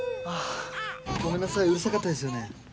ごめんなさいうるさかったですよね。